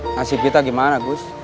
masih kita gimana gus